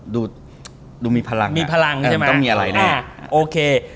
ดูดูมีพลังอ่ะมีพลังใช่ไหมอ่ะโอเค